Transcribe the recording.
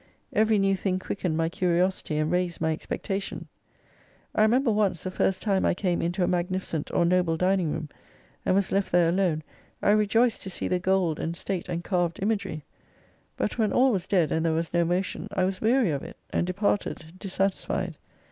Every new thing quickened my curiosity, and raised my expectation. I remember once the first time I came into a magnificent or noble dining room, and was left there alone, I rejoiced to see the gold and state and carved imagery, but when all was dead, and there was no motion, I was weary of it, and departed dissatisfied.